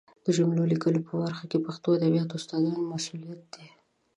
د جملو لیکلو په برخه کې د پښتو ادبیاتو استادانو مسؤلیت دی